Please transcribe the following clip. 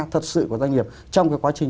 thật sự của doanh nghiệp trong cái quá trình